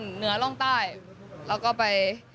เหนือร่องใต้แล้วก็ไป